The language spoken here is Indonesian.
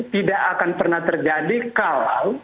tidak akan pernah terjadi kalau